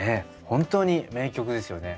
本当に名曲ですよね。